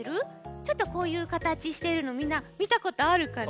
ちょっとこういうかたちしてるのみんなみたことあるかな？